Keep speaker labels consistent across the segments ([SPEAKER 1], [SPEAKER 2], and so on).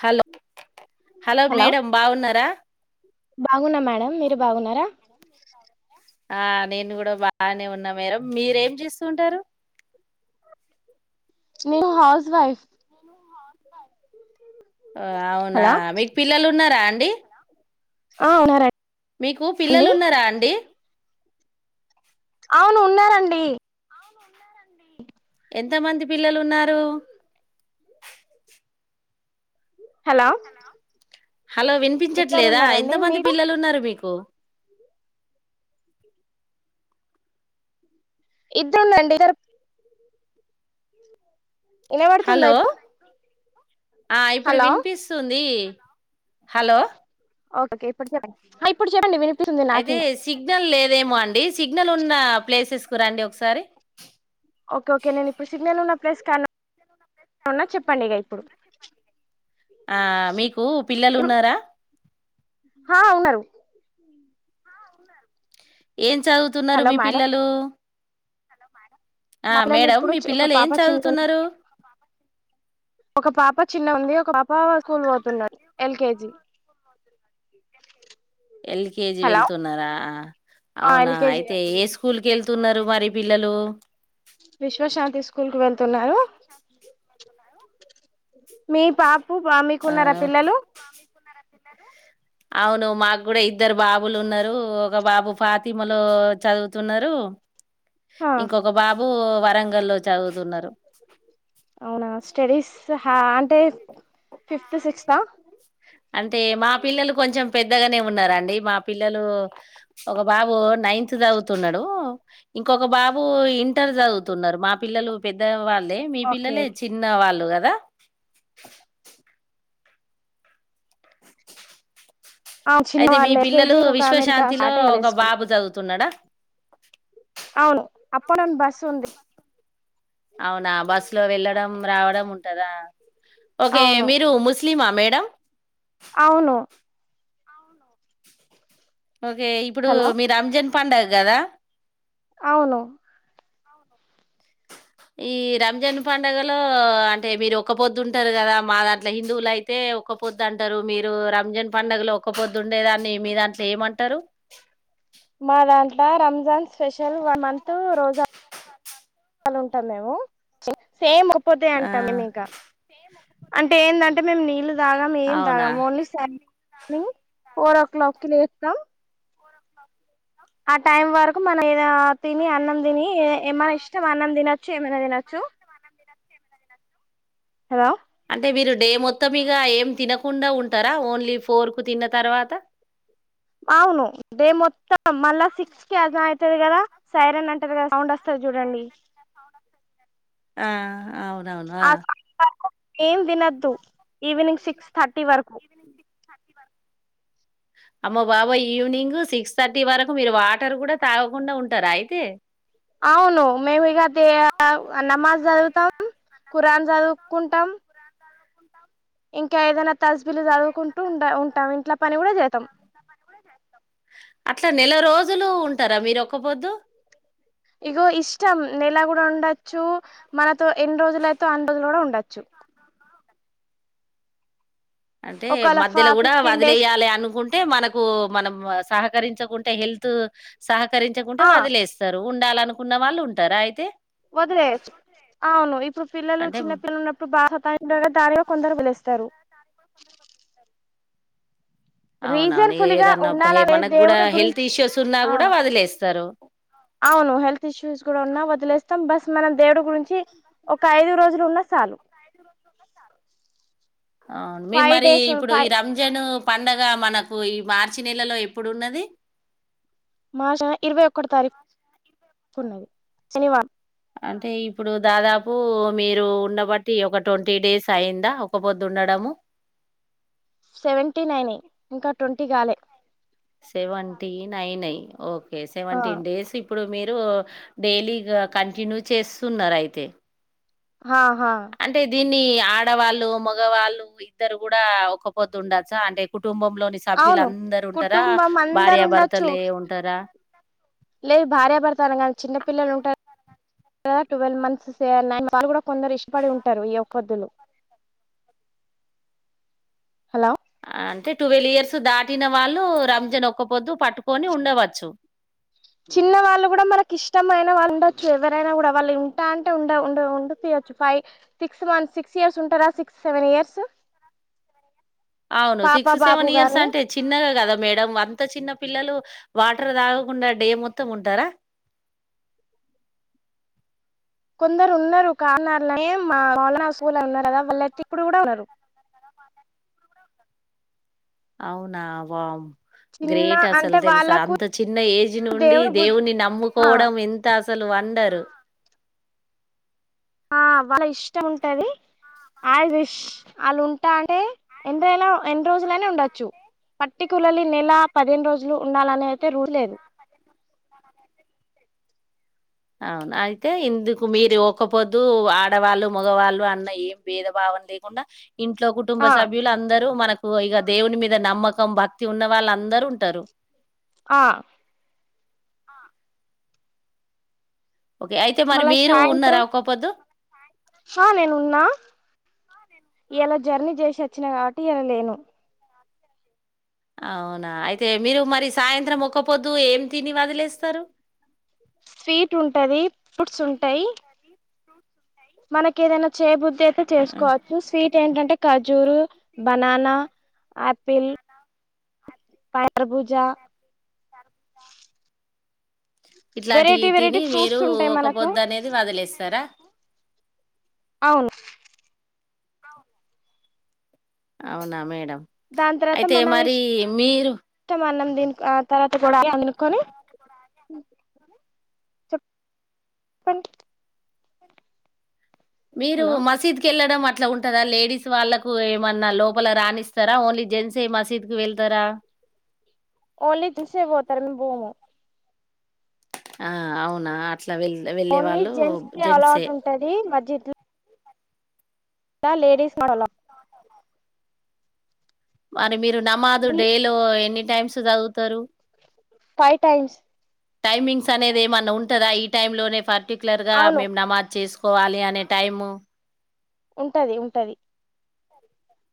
[SPEAKER 1] Hello hello madam బాగున్నారా
[SPEAKER 2] బాగునా madam మీరు
[SPEAKER 1] కాగున
[SPEAKER 2] బాగున్నారా
[SPEAKER 1] మ్యాడం మేడం మీరు కాగురా ఆ నేను కూడా బాగానే ఉన్నా మర మీరేం చేస్తూంటారు
[SPEAKER 2] నవు హస్ వైఫ్
[SPEAKER 1] అవునా
[SPEAKER 2] హలో
[SPEAKER 1] మీకు పిల్లలు ఉన్నారా అంటే డి
[SPEAKER 2] ఆ ఉన్నారండి
[SPEAKER 1] మీకు పిల్లలు ఉన్నారా అండి
[SPEAKER 2] అవును ఉన్నారండి
[SPEAKER 1] ఎంత మంది పిల్లలు ఉన్నారు
[SPEAKER 2] హలో
[SPEAKER 1] హలో
[SPEAKER 2] ఇద్దరు
[SPEAKER 1] వినిపించట్లేదా
[SPEAKER 2] ఉన్నారండి
[SPEAKER 1] ఎంతమంది
[SPEAKER 2] మీకు
[SPEAKER 1] పిల్లలు ఉన్నారు మీకు
[SPEAKER 2] ఇద్దరుండండి ఇర ఇనపడుతుందా
[SPEAKER 1] హలో
[SPEAKER 2] ఇప్పు
[SPEAKER 1] ఆ ఇప్పుడు వినిపిస్తుంది హలో
[SPEAKER 2] ఓకే ఇప్పుడు చెప్పండి ఇప్పుడు చెప్పండి వినిపిస్తుంది
[SPEAKER 1] అయితే
[SPEAKER 2] నాకి
[SPEAKER 1] సిగ్నల్ లేదేమో అండి సిగ్నల్ ఉన్ ప్లేసెస్ కు రండి ఒకసారి
[SPEAKER 2] ఓకే ఓకే నేను ఇప్పుడు సిగ్నల్ ఉన్న ప్లేస్ కానె ఉన్నా చెప్పండి ఇక ఇప్పుడు
[SPEAKER 1] ఆ మీకు పిల్లలున్నారా
[SPEAKER 2] హా ఉన్నారు
[SPEAKER 1] ఏన్ చదువుతున్నారు
[SPEAKER 2] హలో
[SPEAKER 1] మీ
[SPEAKER 2] మేడం
[SPEAKER 1] పిల్లలు ఆ
[SPEAKER 2] మా పిల్లలు
[SPEAKER 1] మేడం
[SPEAKER 2] ఇప్పుడు
[SPEAKER 1] మీ
[SPEAKER 2] ఒక
[SPEAKER 1] పిల్లలు ఏం
[SPEAKER 2] పాప చిన్న
[SPEAKER 1] చదువుతున్నారు
[SPEAKER 2] ఒక పాప చిన్న ఉంది ఒక పాప స్కూల్ పోతున్నది ఎల్కేజీ
[SPEAKER 1] ఎల్కేజీ
[SPEAKER 2] హలో
[SPEAKER 1] వెళ్తున్నారా అవునా
[SPEAKER 2] ఎల్కేజీ
[SPEAKER 1] అయితే ఏ స్కూల్ కెల్ తున్నారు మరి పిల్లలు
[SPEAKER 2] విశ్వశాంతి స్కూల్ కు వెళ్తున్నారు మీ పాప్ ప బా
[SPEAKER 1] ఆ
[SPEAKER 2] మీకున్నారా పిల్లలు
[SPEAKER 1] అవును మాకు కూడా ఇద్దరు బాబులు ఉన్నారు ఒక బాబు ఫాతిమలో చదువుతున్నారు.
[SPEAKER 2] హా
[SPEAKER 1] ఇంకొక బాబు వరంగల్లో చదువుతున్నారు
[SPEAKER 2] అవునా స్టడీస్ హ్యాన్ టే ఫిఫ్త్ సిక్స్త్ ఆ
[SPEAKER 1] అంటే మా పిల్లలు కొంచెం పెద్దగానే ఉన్నారండి మా పిల్లలు ఒక బాబు నైన్త్ చదువుతున్నాడు ఇంకొక బాబు ఇంటర్ చదువుతున్నారు మా పిల్లలు పెద్ద వాళ్ లే మీ
[SPEAKER 2] ఓకే
[SPEAKER 1] పిల్లలే
[SPEAKER 2] ఓకే
[SPEAKER 1] చిన్న వాళ్ళుగ ద
[SPEAKER 2] ఆ చిన్న
[SPEAKER 1] అయితే మీ
[SPEAKER 2] వాళ్ళు
[SPEAKER 1] పిల్లలు
[SPEAKER 2] ఎల్కేజీ ఒక ఆమె ఇంకా
[SPEAKER 1] విశ్వశాంతిలో
[SPEAKER 2] స్టార్ట్ అయ్యాలే
[SPEAKER 1] ఒక
[SPEAKER 2] స్కూల్
[SPEAKER 1] బాబు చదువుతున్నాడా [inaudible]
[SPEAKER 2] అవును అప్ అండ్ డౌన్ బస్సుంది
[SPEAKER 1] అవునా బస్సు లో వెళ్ళడం రావడం ఉంటదా ఓకే
[SPEAKER 2] అవును
[SPEAKER 1] మీరు ముస్లిమా మేడం
[SPEAKER 2] అవును
[SPEAKER 1] ఓకే ఇప్పుడు
[SPEAKER 2] హలో
[SPEAKER 1] మీ రంజాన్ పండగ గదా
[SPEAKER 2] అవును
[SPEAKER 1] ఈ రంజాన్ పండుగలో అంటే మీరు ఒక పొద్దు ఉంటారు కదా. మా దాంట్లో హిందువులు అయితే ఒక్క పొద్దు అంటారు. మీరు రంజన్ పండుగలో ఒక్క పొద్దు ఉండేదాన్ని మీ దాంట్లో ఏమంటారు.
[SPEAKER 2] మా దాంట్ల లా రంజాన్ స్పెషల్ వన్ మం న్ త్ రోజా చాలుంటాం మేము ఫేమ్ పొద్దే
[SPEAKER 1] ఆ
[SPEAKER 2] అంటాం మేము ఇగ అంటే ఏందంటే మేం నీళ్ తాగం ఏం
[SPEAKER 1] అవునా
[SPEAKER 2] తాగం ఓన్లీ సన్ నీ ఫోర్ ఓ క్లాక్ కి లేస్తాం ఆ టైం వరకు మనం ఏదైనా తిని, అన్నం తిని, ఏమన్ ఇష్టం అన్నం తినొచ్చు, ఏమైనా తినొచ్చు. హలో
[SPEAKER 1] అంటే మీరు డే మొత్తం ఇగ ఏం తినకుండా ఉంటారా, ఓన్లీ ఫోర్ కు తిన్న తర్వాత
[SPEAKER 2] అవును డే మొత్తం మళ్ళా సిక్స్ కి అజాన్ అయితది కదా, సైరన్ అంటరు కదా సౌండ్ వస్తది చూడండి.
[SPEAKER 1] ఆ అవున్ అవున్ ఆ
[SPEAKER 2] సౌండ్ వరకు ఏం తినద్దు ఈవినింగ్ సిక్స్ థర్టీ వరకు
[SPEAKER 1] అమ్మ బాబోయ్ ఈవినింగ్ సిక్స్ థర్టీ వరకు, మీరు వాటర్ కూడా తాగకుండా ఉంటారా అయితే.
[SPEAKER 2] అవును మేము ఇగ నమాజ్ చదువుతాం, ఖురాన్ చదువుకుంటాం. ఇంకా ఏదైనా తజ్ జులు చదువుకుంటూ ఉండ ఉంటాం ఇంట్ల పని కూడ చేతాం
[SPEAKER 1] అట్లా నెల రోజులు ఉంటారా మీరు ఒక్కపొద్దు
[SPEAKER 2] ఇగో ఇష్టం నెలా గు ఉండచ్చు మనతో ఎన్ని రోజులయితే అన్ని రోజులు కూడా ఉండొచ్చు.
[SPEAKER 1] అంటే
[SPEAKER 2] ఒకవేళ
[SPEAKER 1] మధ్యలో కూడా
[SPEAKER 2] ఫిఫ్టీన్ డేస్
[SPEAKER 1] వదిలేయాలి అనుకుంటే మనకు మనం సహకరించకుంటే హెల్త్ సా కరించకుంటే
[SPEAKER 2] ఆ
[SPEAKER 1] వదిలేస్తారు ఉండాలనుకున్న వాళ్ళు ఉంటారా అయితే
[SPEAKER 2] వదిలేయచ్చు. అవును ఇప్పుడు పిల్లలు
[SPEAKER 1] అంటే
[SPEAKER 2] చిన్నపిల్లలు ఉన్నప్పుడు బా సబ్ తని దగ్గర దారిగా కొందరు వదిలేస్తారు రీజన్
[SPEAKER 1] అవునవును ఇగ
[SPEAKER 2] ఫుల్ గా
[SPEAKER 1] ఏదన్నా
[SPEAKER 2] ఉండాలనే
[SPEAKER 1] మనకు కూడా
[SPEAKER 2] దేవుని
[SPEAKER 1] హెల్త్
[SPEAKER 2] గురించి
[SPEAKER 1] ఇష్యూస్ ఉన్నా
[SPEAKER 2] ఆ
[SPEAKER 1] కూడా వదిలేస్తారు
[SPEAKER 2] అవును హెల్త్ ఇష్యూస్ కూడా ఉన్నా వదిలేస్తాం, బస్ మనం దేవుడి గురించి ఒక ఐదు రోజులు ఉన్నా సాలు.
[SPEAKER 1] అవును మేం మరి ఇప్పుడు ఈ రంజాను పండగ మనకు ఈ మార్చి నెలలో ఎప్పుడు ఉన్నది
[SPEAKER 2] మా [inaudible] ర్చ ఇరవై ఒక్కటొ తారీకు తిన్నాది శనివారం
[SPEAKER 1] అంటే ఇప్పుడు దాదాపు మీరు ఉండబట్టి ఒక ట్వంటీ డేస్ అయిందా ఒక్క పొద్దు ఉండడము
[SPEAKER 2] సెవెంటీ నైనే ఇంకా ట్వంటీ కాలే
[SPEAKER 1] సెవెంటీన్ అయినయ్ ఓక్ ఓకే
[SPEAKER 2] ఆ
[SPEAKER 1] సెవంటీన్ డేస్ ఇప్పుడు మీరు ఓ డైలీ ఈగ కంటిన్యూ చేస్తున్నారా అయితే
[SPEAKER 2] హాహా
[SPEAKER 1] కొన్ని ఆడవాళ్ళు మగవాళ్ళు ఇద్దరు కూడా ఒక్కపొద్దు ఉండచ్చా అంటే కు కుటుంబంలోని సభ్యులు
[SPEAKER 2] అవును
[SPEAKER 1] అందరు ఉంటారా
[SPEAKER 2] కుటుంబం అందరు ఉండొచ్చు
[SPEAKER 1] భార్యాభర్తలే ఉంటారా
[SPEAKER 2] లేదు భార్యాభర్తలు అనే కాదు చిన్నపిల్లలు ఉంటారు ట్వల్ మంత్స్ వాళ్ళు కూడా కొందరు ఇష్టపడి ఉంటారు ఈ ఒక్కపొద్దులు హలో
[SPEAKER 1] అంటే ట్వెల్వ్ ఇయర్స్ దాటిన వాళ్ళు రంజన్ ఒక్క పొద్దు పట్టుకొని ఉండవచ్చు
[SPEAKER 2] చిన్న వాళ్ళు కూడా మనకి ఇష్టమైన ఉండొచ్చు ఎవరైనా కూడా వాళ్ళు ఉంటా అంటే ఉండపియచ్చు five six months six years ఉంటారా సిక్స్ సెవెన్ ఇయర్స్
[SPEAKER 1] అవును
[SPEAKER 2] పాప
[SPEAKER 1] సిక్స్
[SPEAKER 2] బాబు
[SPEAKER 1] సెవెన్ ఇయర్స్
[SPEAKER 2] గాని
[SPEAKER 1] అంటే చిన్నగా కదా మేడం అంత చిన్న పిల్లలు వాటర్ తాగకుండా డే మొత్తం ఉంటారా
[SPEAKER 2] కొందరు ఉన్నారు కన [inaudible] లో మా అన్న స్కూల్ ఉన్నారు కదా వాళ్ళు అయితే ఇప్పుడు కూడా ఉన్నారు
[SPEAKER 1] అవునా వామ్
[SPEAKER 2] చిన్న
[SPEAKER 1] గ్రేట్ అసలు
[SPEAKER 2] అంటే
[SPEAKER 1] తెలుసా
[SPEAKER 2] వాళ్ళకు
[SPEAKER 1] అంత చిన్న ఏజ్ నుండి
[SPEAKER 2] దేవుడు బుద్ధి
[SPEAKER 1] దేవున్ని
[SPEAKER 2] ఆ
[SPEAKER 1] నమ్ముకోవడం ఎంత అసలు అన్ ఉంటారు
[SPEAKER 2] ఆ వాళ్ళ ఇష్టం ఉంటాది ఆవిష్ వాళ్ళు ఉంటానే ఎన్ని రోజులునే ఉండొచ్చు పర్టికలర్లీ నెల పదిహేను రోజులు ఉండాలని అయితే రూల్ లేదు
[SPEAKER 1] అవును అయితే ఇందుకు మీరు ఒక పొద్దు ఆడవాళ్ళు మగవాళ్ళు అన్న ఏం భేదభావం లేకుండా ఇంట్లో కుటుంబ
[SPEAKER 2] ఆ
[SPEAKER 1] సభ్యులు అందరూ మనకు ఇగొ ఇక దేవుని మీద నమ్మకం భక్తి ఉన్న వాళ్ళు అందరు ఉంటారు
[SPEAKER 2] ఆ
[SPEAKER 1] ఓకే అయితే మరి
[SPEAKER 2] మళ్ళ
[SPEAKER 1] మీరు ఉన్నారా
[SPEAKER 2] సాయంత్రం
[SPEAKER 1] ఒక్కపోద్దు
[SPEAKER 2] హా నేను ఉన్నా ఇయలా జర్నీ చేసి వచ్చిన కాబట్టి ఇయల లేను
[SPEAKER 1] అవునా అయితే మీరు మరి సాయంత్రం ఒక్కపోద్దు ఏమి తిని వదిలేస్తారు.
[SPEAKER 2] స్వీట్ ఉంటాది ఫ్రుట్స్ ఉంటాయ్ మనకు ఏదైనా చేయబుద్
[SPEAKER 1] ర్
[SPEAKER 2] ఖజూరు
[SPEAKER 1] చేసుకోవచ్చు స్వీట్ ఏంటంటే
[SPEAKER 2] బనానా
[SPEAKER 1] కజూ
[SPEAKER 2] ఆపిల్
[SPEAKER 1] బనానా ఆపిల్
[SPEAKER 2] కర్బూజ
[SPEAKER 1] పైనాపిల్ తరబతా ఇట్లాంటి
[SPEAKER 2] వెరైటీ
[SPEAKER 1] తిని
[SPEAKER 2] వెరైటీ
[SPEAKER 1] మీరు
[SPEAKER 2] ఫ్రూట్స్ ఉంటాయి
[SPEAKER 1] ఒక్క
[SPEAKER 2] మనకు
[SPEAKER 1] పొద్దు అనేది వదిలేస్తారా
[SPEAKER 2] అవును
[SPEAKER 1] అవునా మేడం
[SPEAKER 2] దాని తర్వాత
[SPEAKER 1] అయితే మరి మీరు
[SPEAKER 2] దీ ఆ తర్వాత కూడా అనుకని [inaudible]
[SPEAKER 1] మీరు
[SPEAKER 2] హలో
[SPEAKER 1] మసీద్కి వెళ్ళడం అట్ అట్లా ఉంటందా లేడీస్ వాళ్ళలకు ఏమన్నా లోపల రానిస్తారా ఓన్లీ జెంట్స్ ఏ మసీదుకిి వెళ్తారా
[SPEAKER 2] ఓన్లీ జెస్సే పోతారు మేము పోము
[SPEAKER 1] ఆ అవునా అట్లా వెళ్ వెళ్ళే
[SPEAKER 2] ఓన్లీ
[SPEAKER 1] వాళ్ళు
[SPEAKER 2] జెంట్స్ కి
[SPEAKER 1] జెంట్సే
[SPEAKER 2] అలవాటు ఉంటుంది మస్జిద్లో దా లేడీస్ మలా
[SPEAKER 1] మరి మీరు నమాదు
[SPEAKER 2] అలవాట్
[SPEAKER 1] డే లో ఎనీ టైమ్స్ చదువుతారు
[SPEAKER 2] ఫైవ్ టైమ్స్
[SPEAKER 1] టైమింగ్స్ అనేది ఏమన్నా ఉంటందా ఈ టైమ్ లోనే పర్టిక్యులర్ గా
[SPEAKER 2] అవును
[SPEAKER 1] మేము నమాజ్ చేసుకోవాలి అనే టైము
[SPEAKER 2] ఉంటది ఉంటది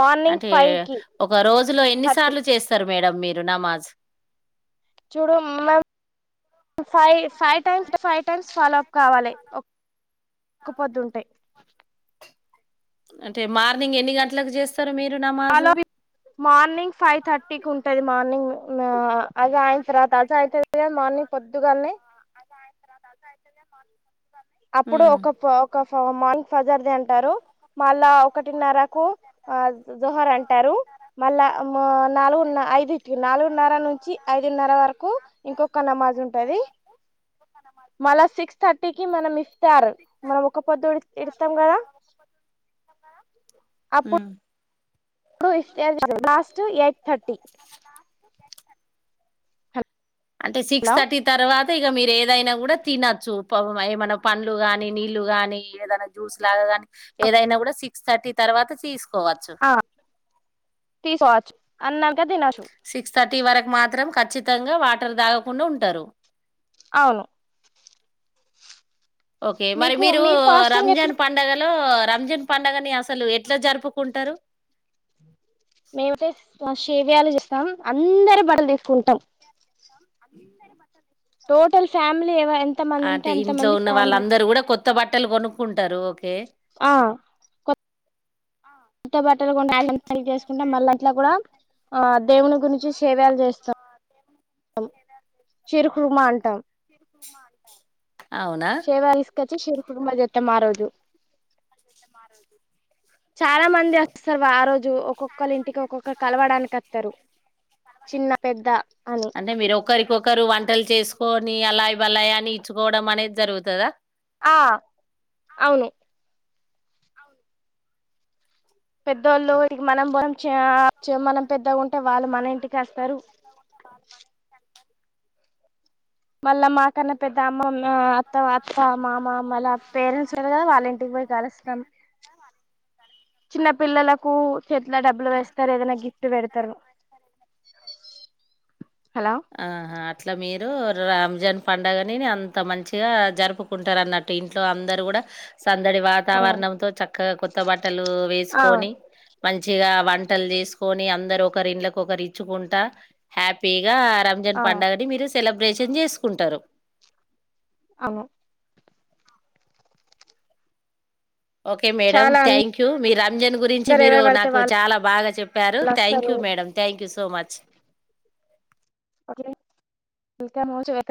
[SPEAKER 2] మార్నింగ్
[SPEAKER 1] అంటే
[SPEAKER 2] ఫైవ్ కి
[SPEAKER 1] ఒక రోజులో ఎన్ని
[SPEAKER 2] థర్టీ
[SPEAKER 1] సార్లు చేస్తారు మేడమ్ మీరు నమాజ్
[SPEAKER 2] చూడు మేమ్ five five time five times follow up కావాలి ఒక్క పొద్దుంటే
[SPEAKER 1] అంటే మార్నింగ్ ఎన్ని గంటలకు చేస్
[SPEAKER 2] లో మార్నింగ్ ఫైవ్ థర్టీకి ఉంటది మార్నింగ్ ఆ అది అయింత రాత అజ అవుతుది మార్నింగ్ పొద్దుగాల్ నే
[SPEAKER 1] రస అ
[SPEAKER 2] అప్పుడు ఒక పు ఒక మ్మ్ మన్ ఫజర్ది అంటారు మళ్ళా ఒకటిన్నరకు ఆ జోహర్ అంటారు మళ్ళా నాలుగున్న ఐదు నాలుగున్నర నుంచి ఐదున్నర వరకు ఇంకొక నమాజ్ ఉంటది మళ్ళా సిక్స్ థర్టీకి మన ఇస్తారు మనం ఒక్క పొద్దు ఇడుస్తాం కదా అప్పుడు
[SPEAKER 1] హ్మ్ అప్పుడు
[SPEAKER 2] ఇఫ్తార్
[SPEAKER 1] ఇ
[SPEAKER 2] లాస్ట్ ఎయిట్ థర్టీ
[SPEAKER 1] మాట్లాడకోవాలి మస్ట్ అంటే సిక్స్
[SPEAKER 2] హలో
[SPEAKER 1] థర్టీ తర్వాత్ [unintelligible] ఇగ మీరు ఏదైనా కూడా తినచ్చు ఏమనా పండ్లు గానీ నీళ్లు గాని ఏదైనా జ్యూస్ లాగా కానీ ఏదైనా కూడా సి సిక్స్ థర్టీ తర్వాత తీస్
[SPEAKER 2] ఆ తీస్ వాచ్ అన్నాక తినచ్చు
[SPEAKER 1] సిక్స్ థర్టీ వరకు మాత్రం ఖచ్చితంగా వాటర్ తాగకుండా ఉంటారు
[SPEAKER 2] అవును
[SPEAKER 1] ఓకే మరి
[SPEAKER 2] మీకు
[SPEAKER 1] మీరు
[SPEAKER 2] మీ ఫాస్టింగ్
[SPEAKER 1] రంజాన్
[SPEAKER 2] ఎట్లా
[SPEAKER 1] పండగలు లో రంజన్ పండుగని అసలు ఎట్లా జరుపుకుంటారు
[SPEAKER 2] మేము వచ్చేస్ షేవయాలు చేస్తాం అందరి బట్టలు తీసుకుంటాం
[SPEAKER 1] అందరి బట్టలు
[SPEAKER 2] టోటల్ ఫ్యామిలీ లేవ ఎంత మంది ఉంటే
[SPEAKER 1] అంటే
[SPEAKER 2] ఎంత
[SPEAKER 1] ఇంట్లో
[SPEAKER 2] మంది
[SPEAKER 1] ఉన్న
[SPEAKER 2] ఫ్యామిలీ
[SPEAKER 1] వాళ్ళందరూ కూడా కొత్త బట్టలు కొనుక్కుంటారు ఓకే
[SPEAKER 2] ఆ ఇట్ట బట్టలు కొని [inaudible] తిన్నాం మళ్ళ అట్ల కూడా ఆ దేవుని గురించి సేవయాలు చేస్తాం చెరుకు రుమా అంటాం
[SPEAKER 1] చెరుకు రుమా అంటాం
[SPEAKER 2] సేవ తీస్కో చి శిర్ కుర్మా చేతాం ఆ రోజు చాలా మంది వస్తారు ఆ రోజు జు ఒక్కొక్కళ ఇంటికి ఒక్కొక్కరు కలవడానికి వతరు చిన్న పెద్ద అని
[SPEAKER 1] అంటే మీరు ఒకరికిఒకరు వం వంటలు చేసుకొని అలాయ్ బాలయ్ అని ఇచ్చుకోవడం అనేది జరుగుతదా
[SPEAKER 2] ఆ అవును పెద్దోళ్ళు ఇటికీ మనం బోంచే చి పెద్దగా ఉంటే వాళ్ళు మన ఇంటికి వస్తారు మళ్ళ మాకన్నా పెద్ద అమ్మ ఉన్ మొత్తం అత్త మామ మళ్ళ పేరెంట్స్ ఉన్నారు కదా వాళ్ళ ఇంటికి పోయి కలుస్తాం చిన్న పిల్లలకు చెట్ల డబ్బులు వేస్తారు ఏదైనా గిఫ్ట్ పెడతారు హలో
[SPEAKER 1] ఆహా అట్లా మీరు రంజాన్ పండగని అంత మంచి గా జరుపుకుంటారు అన్నట్టు ఇంట్లో అందరు కూడా సందడి
[SPEAKER 2] ఆ
[SPEAKER 1] వాతావరణంతో, చక్కగా కొత్త బట్టలు
[SPEAKER 2] ఆ
[SPEAKER 1] వేసుకొని, మంచిగా వంట్ వంటలు చేసుకొని అందరు ఒకరి ఇండ్లకి ఒకరు ఇచ్చుకుంటా హ్యాపీ ఇగ రంజాన్
[SPEAKER 2] ఆ
[SPEAKER 1] పండగని మీరు సి సెలబ్రేషన్ చేసుకుంటారు
[SPEAKER 2] అవు
[SPEAKER 1] ఓకే మేడం
[SPEAKER 2] చాలా
[SPEAKER 1] థ్యాంక్ మీ రంజాన్ గురించి
[SPEAKER 2] అందరు
[SPEAKER 1] మీరు
[SPEAKER 2] ఎవరు పడితే
[SPEAKER 1] నాకు
[SPEAKER 2] వాళ్ళు
[SPEAKER 1] చాలా బాగా చెప్పారు థ్యాంక్
[SPEAKER 2] వస్తారు
[SPEAKER 1] you madam thank you so much
[SPEAKER 2] [unintelligible] ఇంకా మోసేదాక